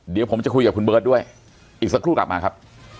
เดี๋ยวผมจะคุยกับคุณเบิร์ตด้วยอีกสักครู่กลับมาครับ